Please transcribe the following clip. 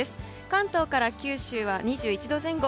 関東から九州は２１度前後。